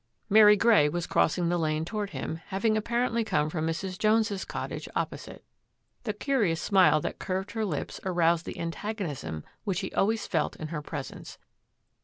Mary Grey was crossing the lane toward him, having apparently come from Mrs. Jones's cot tage opposite. The curious smile that curved her lips aroused the antagonism which he always felt in her pres ence.